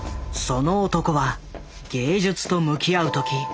その男は芸術と向き合う時